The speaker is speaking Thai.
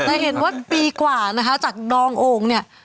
จะเห็นว่าปีกว่านะคะจากดองโอ่งเนี่ย